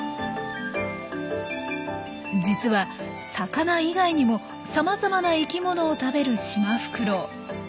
実は魚以外にもさまざまな生きものを食べるシマフクロウ。